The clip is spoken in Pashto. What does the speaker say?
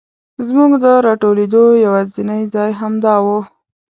زمونږ د راټولېدو یواځینی ځای همدا و.